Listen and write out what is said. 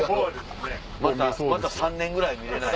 また３年ぐらい見れない。